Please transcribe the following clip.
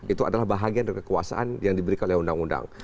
itu adalah bahagian dari kekuasaan yang diberikan oleh undang undang